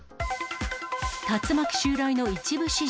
竜巻襲来の一部始終。